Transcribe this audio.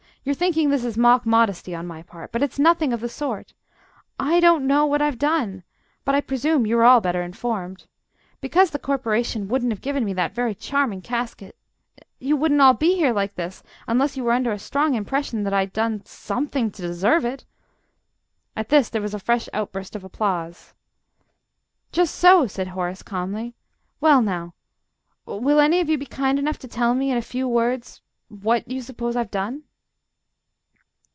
"You're thinking this is mock modesty on my part. But it's nothing of the sort. I don't know what I've done but I presume you are all better informed. Because the Corporation wouldn't have given me that very charming casket you wouldn't all of you be here like this unless you were under a strong impression that I'd done something to deserve it." At this there was a fresh outburst of applause. "Just so," said Horace, calmly. "Well, now, will any of you be kind enough to tell me, in a few words, what you suppose I've done?"